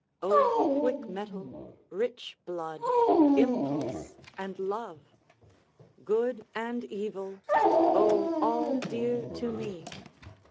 O quick mettle, rich blood, impulse, and love! Good and evil! O all dear to me!